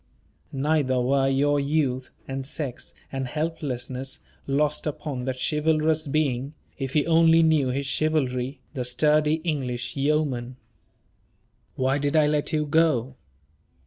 Neither were your youth, and sex, and helplessness, lost upon that chivalrous being if he only knew his chivalry the sturdy English yeoman. Why did I let you go?